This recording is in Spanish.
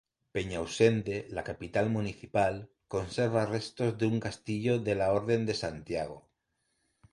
Peñausende, la capital municipal, conserva restos de un castillo de la orden de Santiago.